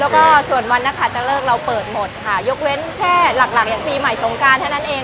แล้วก็ส่วนวันนะคะจะเลิกเราเปิดหมดค่ะยกเว้นแค่หลักอย่างปีใหม่สงการเท่านั้นเอง